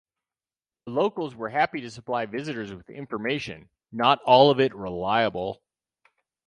The locals were happy to supply visitors with information, not all of it reliable.